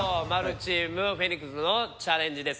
○チームフェニックスのチャレンジです。